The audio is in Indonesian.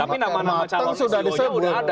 tapi nama nama calon ceo nya sudah ada ini